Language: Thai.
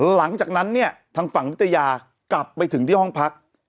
หลังจากนั้นเนี่ยทางฝั่งนิตยากลับไปถึงที่ห้องพัก